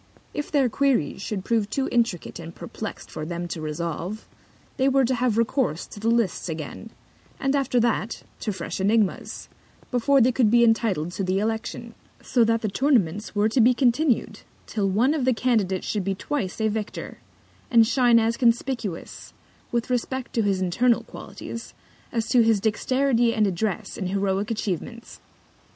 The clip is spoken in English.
If their Queries should prove too intricate and perplext for them to resolve, they were to have Recourse to the Lists again, and after that, to fresh Ænigmas, before they could be entitled to the Election: So that the Tournaments were to be continu'd till One of the Candidates should be twice a Victor, and shine as conspicuous, with respect to his internal Qualities, as to his Dexterity and Address in heroic Atchievements.